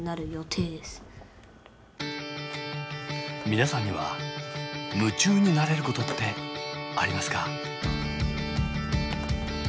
皆さんには夢中になれることってありますか？